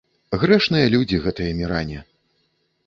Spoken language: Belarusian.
Грэшныя людзі гэтыя міране.